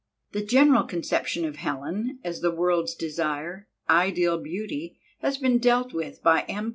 The general conception of Helen as the World's Desire, Ideal Beauty, has been dealt with by M.